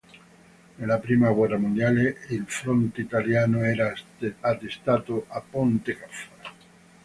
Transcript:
Nella prima guerra mondiale, il fronte italiano era attestato a Ponte Caffaro.